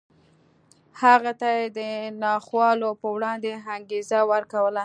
هغه ته یې د ناخوالو په وړاندې انګېزه ورکوله